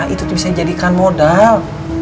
itu bisa dijadikan modal